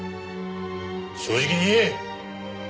正直に言え！